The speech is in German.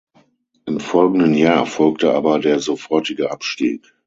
Im folgenden Jahr folgte aber der sofortige Abstieg.